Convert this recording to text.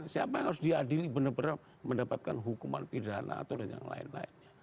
siapa yang harus diadili benar benar mendapatkan hukuman pidana atau yang lain lainnya